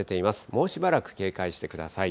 もうしばらく警戒してください。